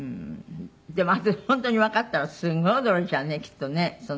でもあとで本当にわかったらすんごい驚いちゃうねきっとねその。